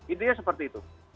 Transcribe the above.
intinya seperti itu